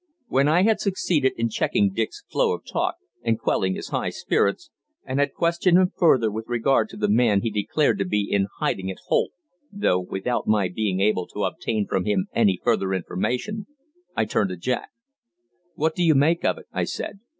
When I had succeeded in checking Dick's flow of talk and quelling his high spirits, and had questioned him further with regard to the man he declared to be in hiding at Holt though without my being able to obtain from him any further information I turned to Jack. "What do you make of it?" I said.